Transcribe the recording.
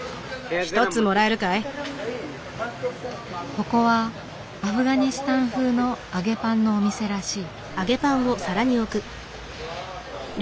ここはアフガニスタン風の揚げパンのお店らしい。